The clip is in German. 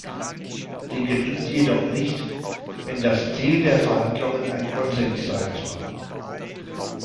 Sie genügt jedoch nicht, wenn das Ziel der Verhandlungen ein Konsens sein soll.